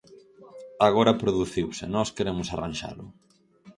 Agora produciuse, nós queremos arranxalo.